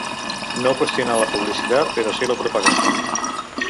No qüestionar la publicitat, però sí la propaganda.